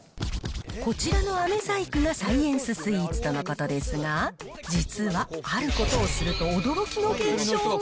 こちらのあめ細工がサイエンススイーツとのことですが、実は、あることをすると驚きの現象が。